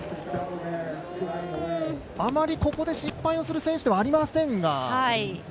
あまりここで失敗をする選手ではありませんが。